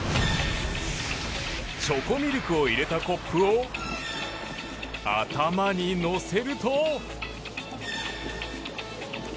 チョコミルクを入れたコップを頭に乗せると。